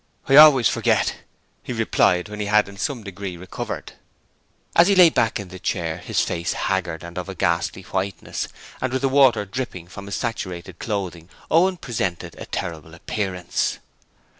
'I al ways for get,' he replied, when he had in some degree recovered. As he lay back in the chair, his face haggard and of a ghastly whiteness, and with the water dripping from his saturated clothing, Owen presented a terrible appearance.